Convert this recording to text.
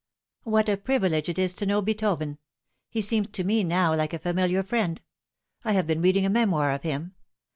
What a privilege it is to know Beethoven ! He seems to me now like a familiar friend. I have been reading a memoir of him..